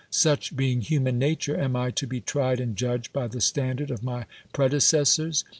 Such being human nature, am I to be tried and judged by the standard of my predecessors?